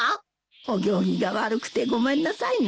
お行儀が悪くてごめんなさいね。